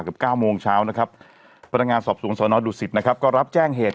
คือเก้ามงเช้านะครับพนักงานสอบสูงสนดุศิษฐ์นะครับก็รับแจ้งเหตุ